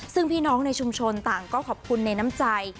ซึ่งพี่น้องในชุมชนต่างก็ขอบคุณในน้ำใจ